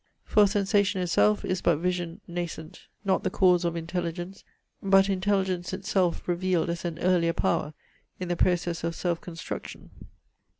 For sensation itself is but vision nascent, not the cause of intelligence, but intelligence itself revealed as an earlier power in the process of self construction.